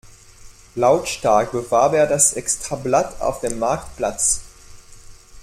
Lautstark bewarb er das Extrablatt auf dem Marktplatz.